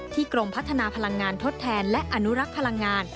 กรมพัฒนาพลังงานทดแทนและอนุรักษ์พลังงาน